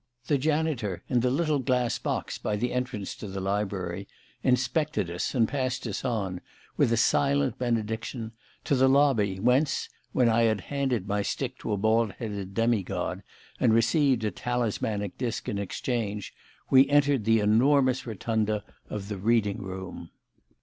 The janitor in the little glass box by the entrance to the library inspected us and passed us on, with a silent benediction, to the lobby, whence (when I had handed my stick to a bald headed demigod and received a talismanic disc in exchange) we entered the enormous rotunda of the reading room.